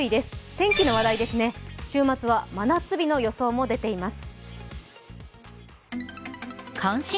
天気の話題ですね、週末は真夏日の予想も出ています。